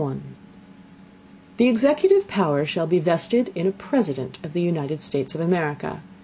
The executive Power shall be vested in a President of the United States of America.